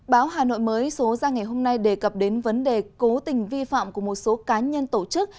báo hà nội mới số ra ngày hôm nay đề cập đến vấn đề cố tình vi phạm của một số cá nhân tổ chức